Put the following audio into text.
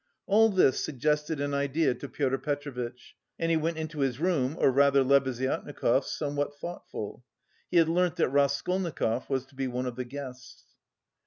All this suggested an idea to Pyotr Petrovitch and he went into his room, or rather Lebeziatnikov's, somewhat thoughtful. He had learnt that Raskolnikov was to be one of the guests.